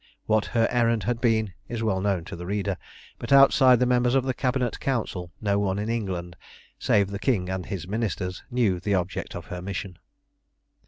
What her errand had been is well known to the reader; but outside the members of the Cabinet Council no one in England, save the King and his Ministers, knew the object of her mission.